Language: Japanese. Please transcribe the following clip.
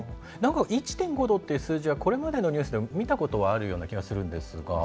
１．５度っていう数字はこれまでのニュースで見たことはあるような気がするんですが。